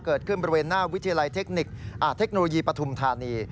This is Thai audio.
เกิดขึ้นบริเวณหน้าวิทยาลัยเทคนิคเทคโนโลยีปฐุมธานี